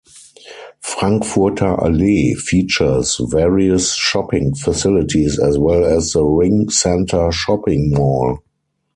Frankfurter Allee features various shopping facilities as well as the Ring-Center shopping mall.